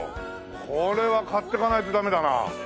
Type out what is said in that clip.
これは買ってかないとダメだな。